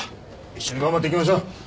一緒に頑張っていきましょう。